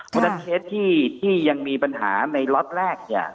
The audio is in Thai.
เพราะฉะนั้นเคสที่ยังมีปัญหาในล็อตแรกเนี่ย